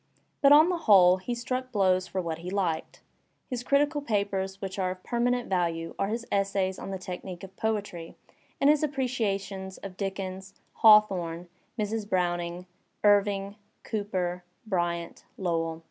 But on the whole he struck blows for what he liked. His critical papers which are of permanent value are his essays on the technique of poetiy and his appreciations of Dickens, Hawthorne, Mrs. Browning, Irving, Cooper, Bryant, Lowell.